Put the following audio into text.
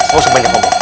gak usah banyak ngomong